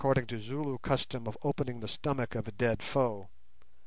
Alluding to the Zulu custom of opening the stomach of a dead foe.